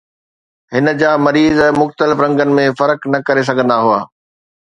هن جا مريض مختلف رنگن ۾ فرق نه ڪري سگهندا هئا